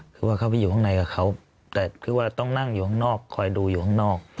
คือว่าเขาไปอยู่ข้างในกับเขาแต่คือว่าต้องนั่งอยู่ข้างนอกคอยดูอยู่ข้างนอก